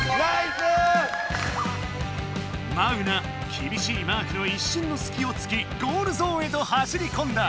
きびしいマークのいっしゅんのすきをつきゴールゾーンへと走りこんだ。